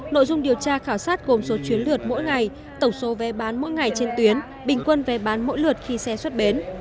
nội dung điều tra khảo sát gồm số chuyến lượt mỗi ngày tổng số vé bán mỗi ngày trên tuyến bình quân vé bán mỗi lượt khi xe xuất bến